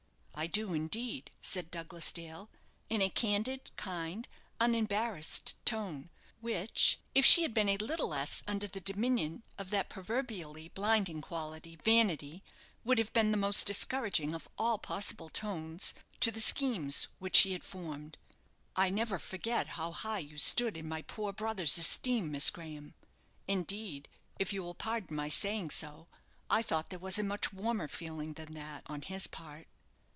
"I do, indeed," said Douglas Dale, in a candid, kind, unembarrassed tone, which, if she had been a little less under the dominion of that proverbially blinding quality, vanity, would have been the most discouraging of all possible tones, to the schemes which she had formed; "I never forget how high you stood in my poor brother's esteem, Miss Graham; indeed, if you will pardon my saying so, I thought there was a much warmer feeling than that, on his part."